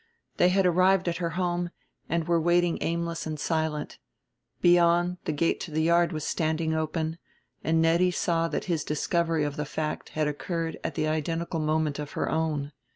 They had arrived at her home and were waiting aimless and silent. Beyond, the gate to the yard was standing open, and Nettie saw that his discovery of the fact had occurred at the identical moment of her own.